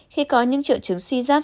khi có những triệu chứng suy giáp